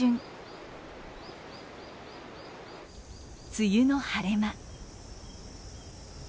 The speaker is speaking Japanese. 梅雨の晴れ間。